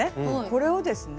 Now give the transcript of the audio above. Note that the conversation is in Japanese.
これをですね